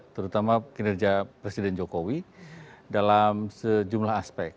terutama kinerja presiden jokowi dalam sejumlah aspek